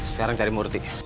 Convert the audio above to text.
sekarang cari murti